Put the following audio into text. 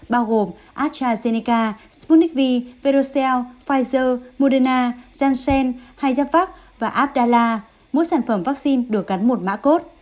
bao gồm astrazeneca sputnik v verocell pfizer moderna janssen hayapvac và abdala mỗi sản phẩm vaccine được gắn một mã cốt